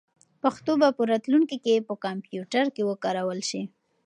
پښتو به په راتلونکي کې په کمپیوټر کې وکارول شي.